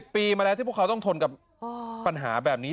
ปีมาแล้วที่พวกเขาต้องทนกับปัญหาแบบนี้